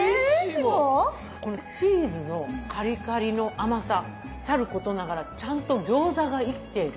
このチーズのカリカリの甘ささることながらちゃんと餃子が生きている。